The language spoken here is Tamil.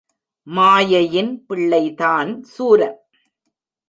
மாயையின் பிள்ளைதான் சூரன்.